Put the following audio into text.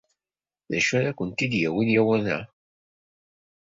D acu ara kent-id-yawin lawan-a?